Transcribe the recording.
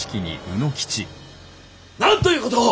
何ということを！